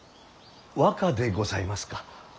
和歌でございますか。